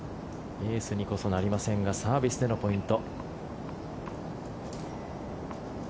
エースにこそなりませんがサービスでのポイント。